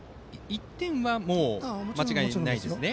１点は間違いないですね。